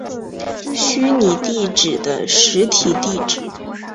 虚拟地址的实体地址。